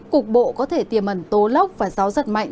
cục bộ có thể tiềm ẩn tố lốc và gió giật mạnh